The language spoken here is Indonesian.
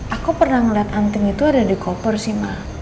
aku pernah ngeliat anting itu ada dikoper sih ma